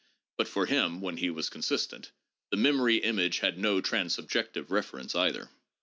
But for him, when he was consistent, the memory image had no transsubjective reference either.